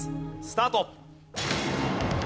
スタート。